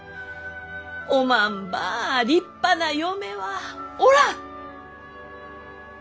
おまんばあ立派な嫁はおらん！